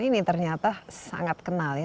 ini ternyata sangat kenal ya